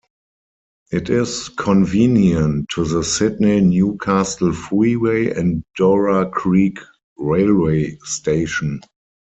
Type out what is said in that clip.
It is convenient to the Sydney-Newcastle Freeway and Dora Creek Railway Station.